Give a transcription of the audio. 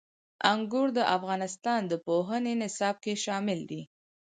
انګور د افغانستان د پوهنې نصاب کې شامل دي.